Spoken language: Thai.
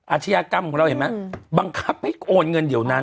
อาชญากรรมของเราเห็นไหมบังคับให้โอนเงินเดี๋ยวนั้น